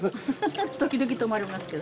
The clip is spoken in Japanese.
時々止まりますけど。